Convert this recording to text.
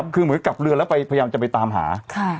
คือเหมือนกับเรือแล้วไปพยายามจะไปตามหา